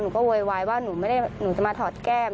หนูก็โวยวายว่าหนูจะมาถอดแก้ม